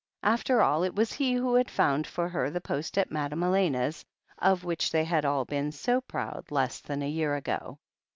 After all, it was he who had found for her the post at Madame Elena's, of which they had all been so proud less than a year ago.